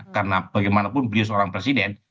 karena bagaimanapun beliau seorang presiden